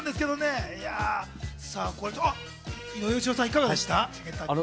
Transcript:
井上芳雄さんはいかがでしたか？